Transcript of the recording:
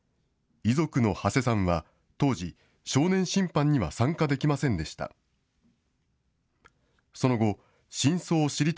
遺族の土師さんは当時、少年審判には参加できませんでした。